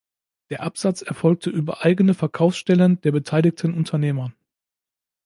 Der Absatz erfolgte über eigene Verkaufsstellen der beteiligten Unternehmer.